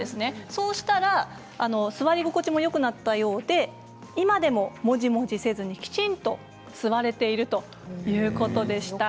そうしたら座り心地もよくなったようで今でも、もじもじせずにきちんと座れているということでした。